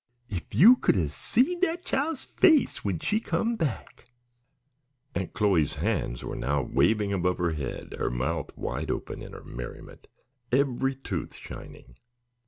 "If you could 'a' seen dat chile's face when she come back!" Aunt Chloe's hands were now waving above her head, her mouth wide open in her merriment, every tooth shining.